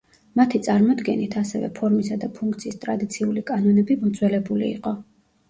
მათი წარმოდგენით ასევე ფორმისა და ფუნქციის ტრადიციული კანონები მოძველებული იყო.